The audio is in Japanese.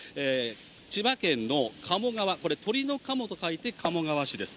千葉県の鴨川、これ、鳥の鴨と書いて鴨川市です。